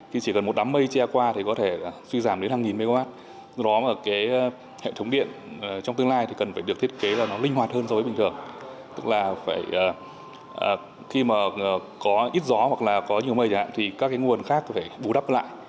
tức là khi có ít gió hoặc là có nhiều mây thì các nguồn khác phải bù đắp lại